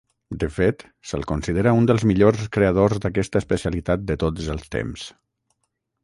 De fet, se'l considera un dels millors creadors d'aquesta especialitat de tots els temps.